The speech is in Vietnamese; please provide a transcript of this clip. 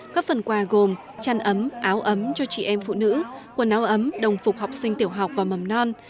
các phần quà gồm chăn ấm áo ấm cho chị em phụ nữ quần áo ấm đồng phục học sinh tiểu học và mầm non